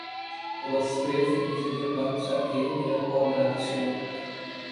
ওরা স্রেফ নিজেদের বাচ্চাকে নিরাপদ রাখছিল।